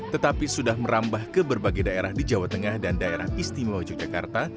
tetapi sudah merambah ke berbagai daerah di jawa tengah dan daerah istimewa yogyakarta